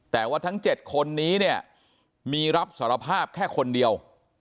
แต่ว่าทั้ง๗คนนี้เนี่ยมีรับสารภาพแค่คนเดียว